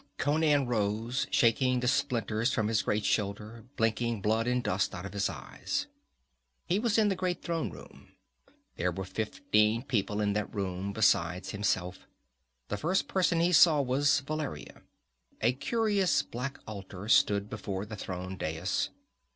Conan rose, shaking the splinters from his great shoulder, blinking blood and dust out of his eyes. He was in the great throne room. There were fifteen people in that room besides himself. The first person he saw was Valeria. A curious black altar stood before the throne dais.